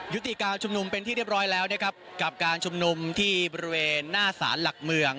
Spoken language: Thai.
ยุติการชุมนุมเป็นที่เรียบร้อยแล้วนะครับกับการชุมนุมที่บริเวณหน้าสารหลักเมือง